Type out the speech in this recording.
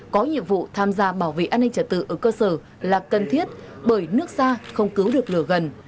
có nhiệm vụ tham gia bảo vệ an ninh trật tự ở cơ sở là cần thiết bởi nước xa không cứu được lửa gần